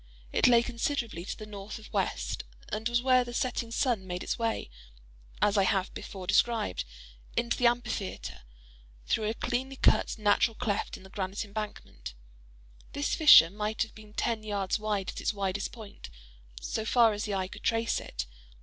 It lay considerably to the north of west, and was where the setting sun made its way, as I have before described, into the amphitheatre, through a cleanly cut natural cleft in the granite embankment; this fissure might have been ten yards wide at its widest point, so far as the eye could trace it.